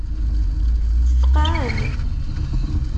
Tfeqɛem?